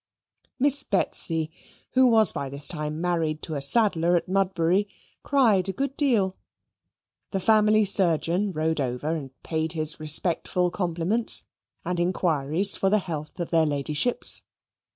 Miss Betsy, who was by this time married to a saddler at Mudbury, cried a good deal. The family surgeon rode over and paid his respectful compliments, and inquiries for the health of their ladyships.